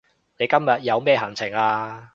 你今日有咩行程啊